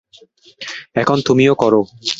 এখন তুমিও করো।